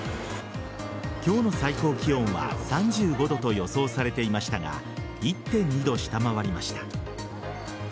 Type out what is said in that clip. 今日の最高気温は３５度と予想されていましたが１．２度下回りました。